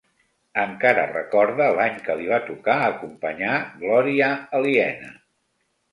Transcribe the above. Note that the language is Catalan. Encara recorda l'any que li va tocar acompanyar Glòria Aliena.